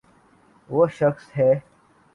و ہ شخص ہے۔